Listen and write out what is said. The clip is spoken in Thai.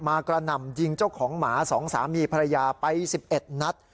กระหน่ำยิงเจ้าของหมา๒สามีภรรยาไป๑๑นัด